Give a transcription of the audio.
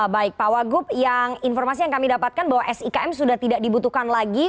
baik pak wagub informasi yang kami dapatkan bahwa sikm sudah tidak dibutuhkan lagi